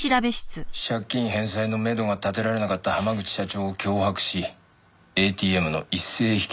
借金返済のめどが立てられなかった濱口社長を脅迫しＡＴＭの一斉引き出しをやらせた。